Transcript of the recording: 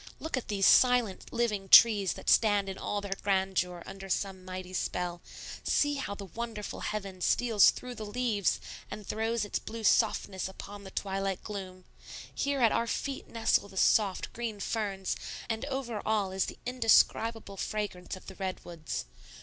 Look at these silent, living trees that stand in all their grandeur under some mighty spell; see how the wonderful heaven steals through the leaves and throws its blue softness upon the twilight gloom; here at our feet nestle the soft, green ferns, and over all is the indescribable fragrance of the redwoods.